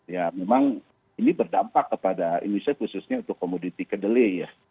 ya memang ini berdampak kepada indonesia khususnya untuk komoditi kedelai ya